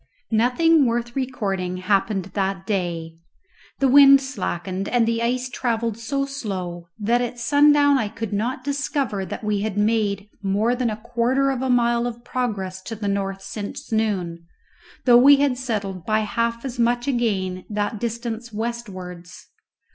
Nothing worth recording happened that day. The wind slackened, and the ice travelled so slow that at sundown I could not discover that we had made more than a quarter of a mile of progress to the north since noon, though we had settled by half as much again that distance westwards.